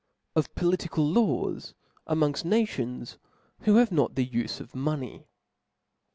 Of political Laws among fi Nations who hav^ not the Ufe of Money.